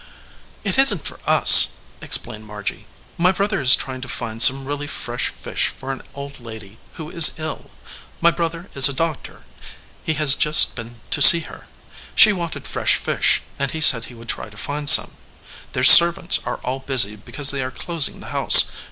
"It isn t for us," explained Margy. "My brother is trying to find some really fresh fish for an old lady who is ill. My brother is a doctor. He has just been to see her. She wanted fresh fish, and he said he would try to find some. Their servants are all busy because they are closing the house.